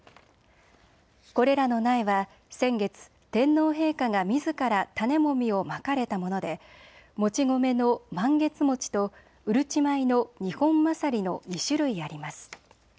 これらの苗は先月、天皇陛下がみずから種もみをまかれたものでもち米のマンゲツモチとうるち米のニホンマサリの２種類あります。